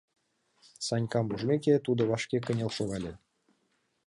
Санькам ужмеке, тудо вашке кынел шогале.